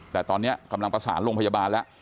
แต่ตอนนี้กำลังประสานโรงพยาบาลแล้ว